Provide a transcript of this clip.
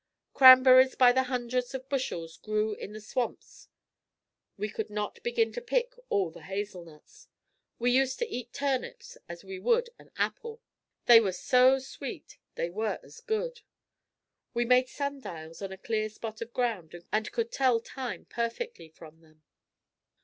Cranberries by the hundreds of bushels grew in the swamps. We could not begin to pick all the hazel nuts. We used to eat turnips as we would an apple. They were so sweet, they were as good. We made sun dials on a clear spot of ground and could tell time perfectly from them.